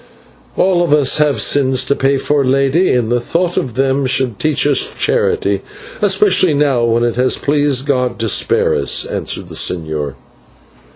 "We all of us have sins to pay for, Lady, and the thought of them should teach us charity, especially now when it has pleased God to spare us," answered the señor.